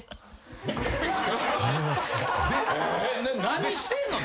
何してんの？